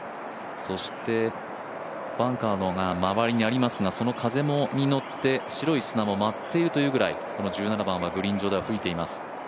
そしてバンカーの周りにありますがその風に乗って白い砂も舞っているというぐらいこの１７番はグリーン上では吹いています。